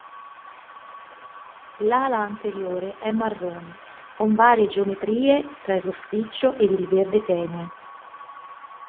L'ala anteriore è marrone, con varie geometrie tra il rossiccio ed il verde tenue.